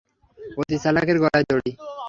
অতি চালাকের গলায় দড়ি।